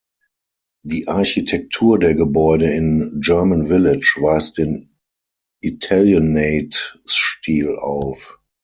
Die Architektur der Gebäude in German Village weist den Italianate-Stil auf.